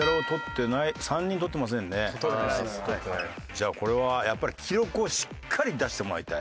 じゃあこれはやっぱり記録をしっかり出してもらいたい。